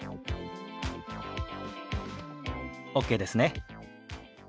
ＯＫですね。